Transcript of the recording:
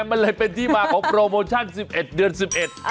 มันเลยเป็นที่มาของโปรโมชั่น๑๑เดือน๑๑เออ